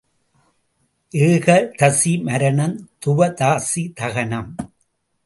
ஏகாதசி மரணம், துவாதசி தகனம்.